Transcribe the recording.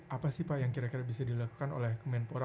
apa sih pak yang kira kira bisa dilakukan oleh kemenpora